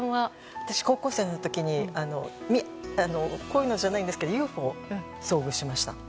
私、高校生の時にこういうのじゃないんですけどＵＦＯと遭遇しました。